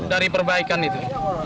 dari perbaikan itu